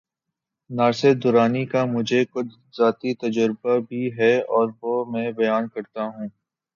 ناصر درانی کا مجھے کچھ ذاتی تجربہ بھی ہے‘ اور وہ میں بیان کرتا ہوں۔